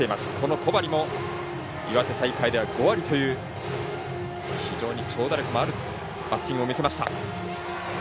小針も岩手大会では５割という非常に長打力のあるバッティングを見せました。